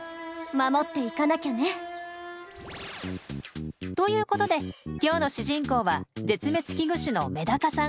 守っていかなきゃね。ということで今日の主人公は絶滅危惧種のメダカさん。